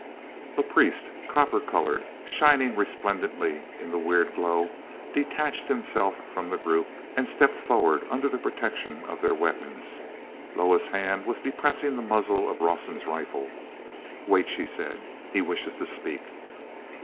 A priest, copper colored, shining resplendently in the weird glow, detached himself from the group and stepped forward under the protection of their weapons. Loah's hand was depressing the muzzle of Rawson's rifle. "Wait!" she said. "He wishes to speak."